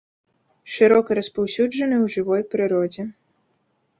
Шырока распаўсюджаны ў жывой прыродзе.